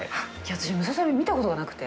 私、ムササビ見たことがなくて。